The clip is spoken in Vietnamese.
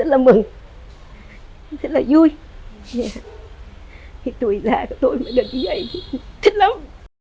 rất là mừng rất là vui tuổi già của tôi mới được như vậy thích lắm